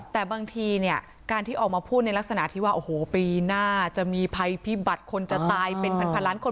แต่บางทีเนี่ยการที่ออกมาพูดในลักษณะที่ว่าโอ้โหปีหน้าจะมีภัยพิบัตรคนจะตายเป็นพันล้านคน